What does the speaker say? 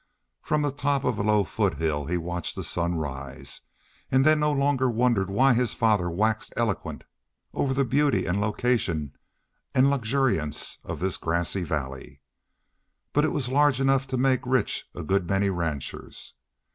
From the top of a low foothill he watched the sun rise; and then no longer wondered why his father waxed eloquent over the beauty and location and luxuriance of this grassy valley. But it was large enough to make rich a good many ranchers.